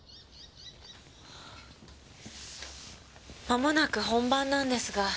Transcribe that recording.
まもなく本番なんですが。